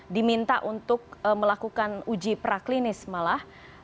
diminta untuk melakukan uji praklinis malah